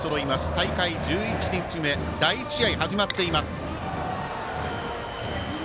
大会１１日目第１試合、始まっています。